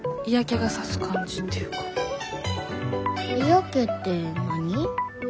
嫌気って何？